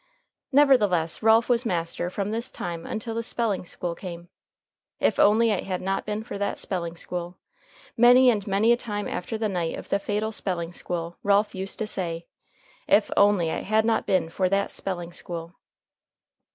Nevertheless, Ralph was master from this time until the spelling school came. If only it had not been for that spelling school! Many and many a time after the night of the fatal spelling school Ralph used to say, "If only it had not been for that spelling school!"